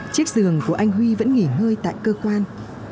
chiếc giường của anh huy vẫn nghỉ ngơi tại cơ quan